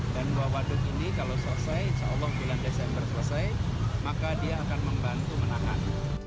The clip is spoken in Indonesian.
dan dua waduk ini kalau selesai insya allah bulan desember selesai maka dia akan membantu menahan